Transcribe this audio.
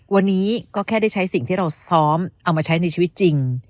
วันนี้ก็แค่ได้ใช้สิ่งที่เราซ้อมเอามาใช้ในชีวิตจริง